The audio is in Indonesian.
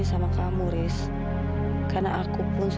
aku sudah menemukan anak kamu itu